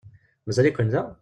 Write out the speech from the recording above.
Mazal-iken da?